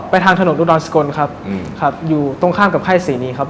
ไปทางถนนทุกดอนสกลครับครับอยู่ตรงข้ามกับไข้ศรีนี้ครับ